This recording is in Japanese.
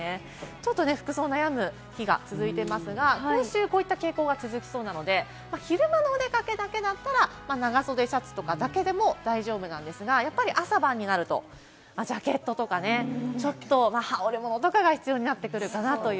ちょっと服装、悩む日が続いていますが、今週こういった傾向が続きそうなので、昼間のお出かけだけだったら、長袖シャツとかだけでも大丈夫なんですが、朝晩になるとジャケットとかね、ちょっと羽織るものとかが必要になってくるかなという。